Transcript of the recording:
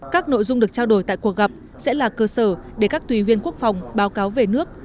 các nội dung được trao đổi tại cuộc gặp sẽ là cơ sở để các tùy viên quốc phòng báo cáo về nước